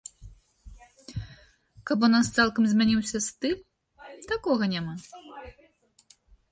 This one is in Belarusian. Каб у нас цалкам змяніўся стыль, такога няма.